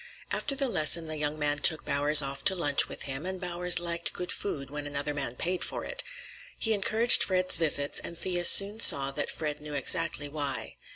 After the lesson the young man took Bowers off to lunch with him, and Bowers liked good food when another man paid for it. He encouraged Fred's visits, and Thea soon saw that Fred knew exactly why.